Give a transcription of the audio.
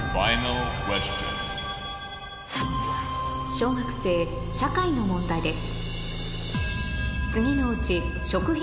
小学生社会の問題です